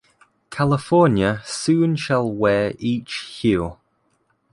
California soon shall wear each hue.